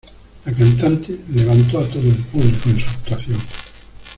La cantante levantó a todo el público en su actuación.